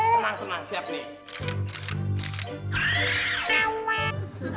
tenang tenang siap nih